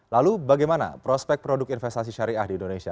lalu bagaimana prospek produk investasi syariah di indonesia